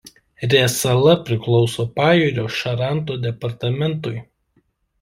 Rė sala priklauso Pajūrio Šaranto departamentui.